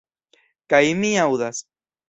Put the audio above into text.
Kaj mi aŭdas.